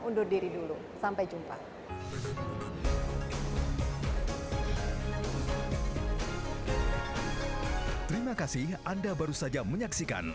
undur diri dulu sampai jumpa